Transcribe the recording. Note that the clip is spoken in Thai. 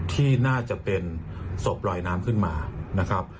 ที่น่าจะเป็นศพลอยน้ำขึ้นมานะครับ